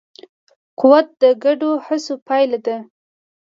قوت د ګډو هڅو پایله ده.